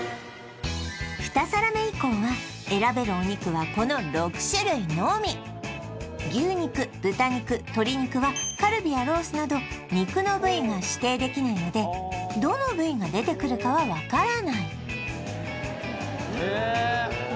２皿目以降は選べるお肉はこの６種類のみ牛肉豚肉鶏肉はカルビやロースなど肉の部位が指定できないのでどの部位が出てくるかは分からないへえ